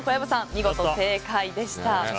見事正解でした。